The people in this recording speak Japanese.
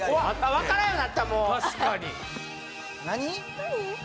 わからんようになったもう確かに・何？